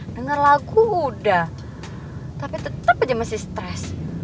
dengar lagu udah tapi tetap aja masih stres